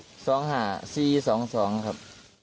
๒๕๔๒๒ครับ